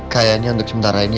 kayaknya untuk sementara ini